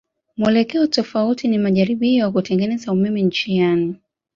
Mwelekeo tofauti ni majaribio ya kutengeneza umeme njiani.